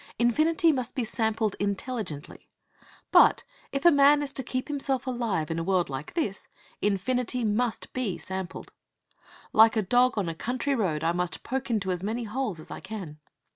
Infinity must be sampled intelligently. But, if a man is to keep himself alive in a world like this, infinity must be sampled. Like a dog on a country road I must poke into as many holes as I can.